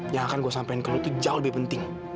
yang akan gue sampaikan ke lu itu jauh lebih penting